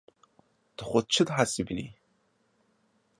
Tu xwe çi dihesibînî?